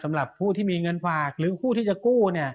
สำหรับผู้ที่มีเงินฝากหรือผู้ที่จะกู้